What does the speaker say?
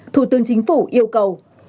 thủ tướng chính phủ yêu cầu